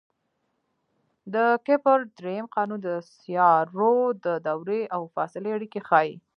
د کپلر درېیم قانون د سیارو د دورې او فاصلې اړیکې ښيي.